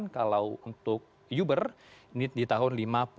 kalau untuk uber ini di tahun seribu sembilan ratus lima puluh tujuh